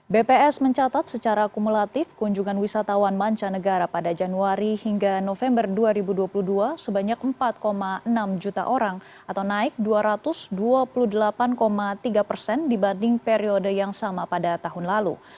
bps mencatat secara kumulatif kunjungan wisatawan mancanegara pada januari hingga november dua ribu dua puluh dua sebanyak empat enam juta orang atau naik dua ratus dua puluh delapan tiga persen dibanding periode yang sama pada tahun lalu